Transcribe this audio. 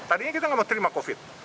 tadinya kita nggak mau terima covid